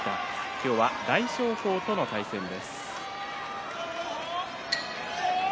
今日は大翔鵬との対戦です。